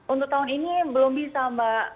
untuk tahun ini belum bisa mbak